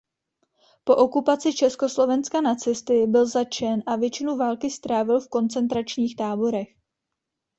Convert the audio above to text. Po okupaci Československa nacisty byl zatčen a většinu války strávil v koncentračních táborech.